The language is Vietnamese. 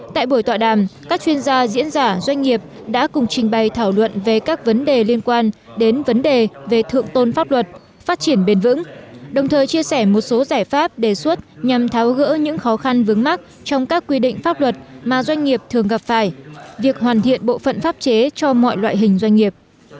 tại buổi tọa đàm các chuyên gia diễn giả doanh nghiệp đã cùng trình bày thảo luận về các vấn đề liên quan đến vấn đề về thượng tôn pháp luật phát triển bền vững đồng thời chia sẻ một số giải pháp đề xuất nhằm tháo gỡ những khó khăn vướng mắt trong các quy định pháp luật mà doanh nghiệp thường gặp phải việc hoàn thiện bộ phận pháp chế cho mọi loại hình doanh nghiệp